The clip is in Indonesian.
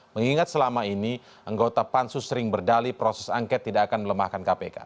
mengingat selama ini anggota pansus sering berdali proses angket tidak akan melemahkan kpk